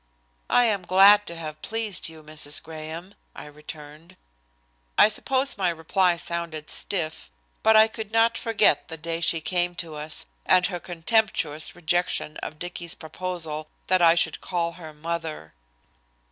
"I am glad to have pleased you, Mrs. Graham," I returned. I suppose my reply sounded stiff, but I could not forget the day she came to us, and her contemptuous rejection of Dicky's proposal that I should call her "Mother."